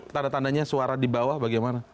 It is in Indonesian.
tanda tandanya suara di bawah bagaimana